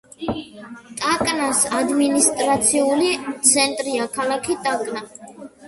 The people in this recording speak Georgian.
ტაკნას ადმინისტრაციული ცენტრია ქალაქი ტაკნა.